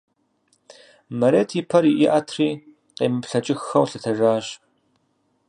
Мерэт и пэр иӀэтри къемыплъэкӀыххэу лъэтэжащ.